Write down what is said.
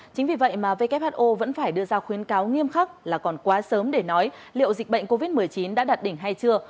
chính vì vậy mà who vẫn phải đưa ra khuyến cáo nghiêm khắc là còn quá sớm để nói liệu dịch bệnh covid một mươi chín đã đạt đỉnh hay chưa